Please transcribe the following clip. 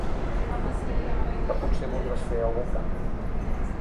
Què potser voldràs fer algun canvi?